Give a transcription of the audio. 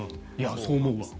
そう思うわ。